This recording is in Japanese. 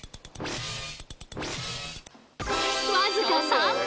わずか３秒！